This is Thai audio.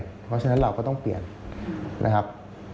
เพราะฉะนั้นเราก็ต้องเปลี่ยนนะครับ